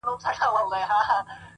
چي په سرو وینو کي اشنا وویني،